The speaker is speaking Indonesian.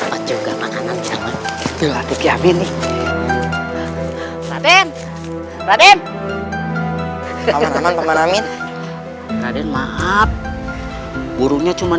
butuhnya cuma agung mah translate hahaha